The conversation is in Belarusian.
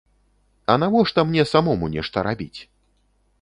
А навошта мне самому нешта рабіць?